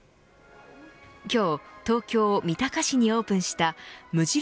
今日東京、三鷹市にオープンした無印